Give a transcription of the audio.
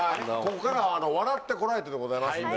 ここからは『笑ってコラえて！』でございますんで。